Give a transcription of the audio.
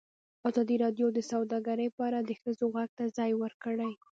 ازادي راډیو د سوداګري په اړه د ښځو غږ ته ځای ورکړی.